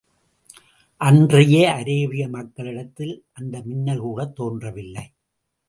அன்றைய அரேபிய மக்களிடத்தில், அந்த மின்னல் கூடத் தோன்றவில்லை.